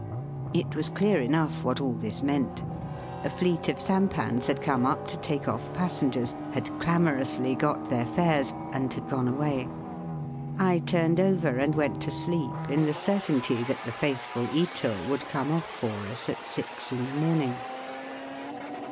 It was clear enough what all this meant. A fleet of sampans had come up to take off passengers, had clamorously got their fares, and had gone away. I turned over and went to sleep in the certainty that the faithful Ito would come off for us at six in the morning.